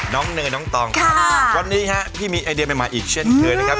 เนยน้องตองวันนี้ฮะพี่มีไอเดียใหม่อีกเช่นเคยนะครับ